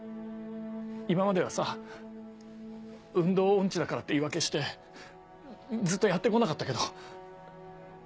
今まではさ運動音痴だからって言い訳してずっとやって来なかったけど。